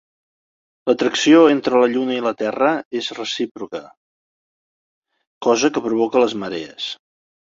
L'atracció entre la Lluna i la Terra és recíproca, cosa que provoca les marees.